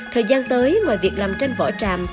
thời gian tới ngoài việc làm tranh võ tràm